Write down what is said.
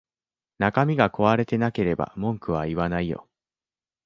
中身が壊れてなければ文句は言わないよ